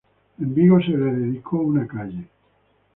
En Vigo se le dedicó una calle.